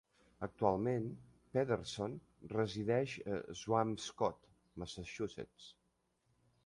Actualment, Pederson resideix a Swampscott, Massachusetts.